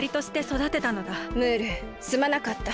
ムールすまなかった。